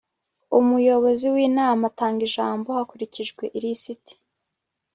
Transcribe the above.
umuyobozi w'inama atanga ijambo hakurikijwe ilisiti